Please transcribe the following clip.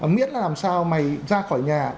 miễn là làm sao mày ra khỏi nhà